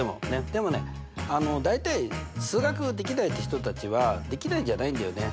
でもね大体数学できないって人たちはできないんじゃないんだよね。